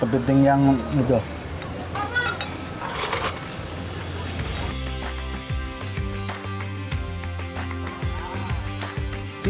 kepiting yang gitu